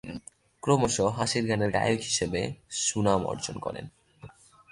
ক্রমশ হাসির গানের গায়ক হিসাবে সুনাম অর্জন করেন।